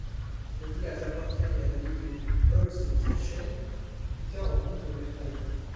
Le village appartenait à l'abbaye de Holzkirchen, plus tard aux comtes de Wertheim.